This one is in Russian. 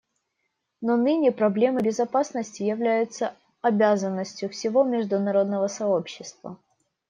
Но ныне проблемы безопасности являются обязанностью всего международного сообщества.